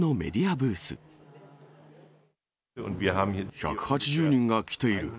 １８０人が来ている。